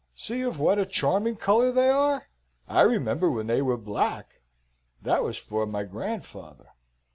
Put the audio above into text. See of what a charming colour they are! I remember when they were black that was for my grandfather."